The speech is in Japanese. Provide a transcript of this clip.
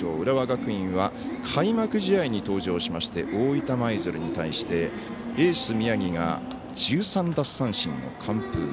浦和学院は開幕試合に登場しまして大分舞鶴に対してエース宮城が１３奪三振の完封。